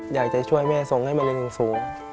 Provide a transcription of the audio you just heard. อยากจะช่วยแม่ส่งให้มันเรียนขึ้นสูง